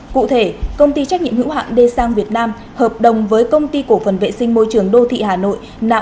cụ thể công ty trách nhiệm hữu hạng d sang việt nam hợp đồng với công ty cổ phần vệ sinh môi trường đô thị hà nội